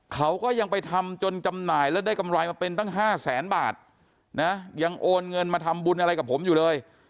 เขาก็ยังไปทำจนจำหน่ายแล้วได้กำไรมาเป็นตั้ง๕แสนบาทนะยังโอนเงินมาทำบุญอะไรกับผมอยู่เลย